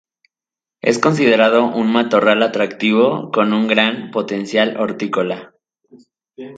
Es considerado un matorral atractivo con un gran potencial hortícola.